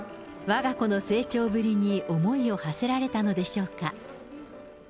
わが子の成長ぶりに思いをはせられたのでしょうか。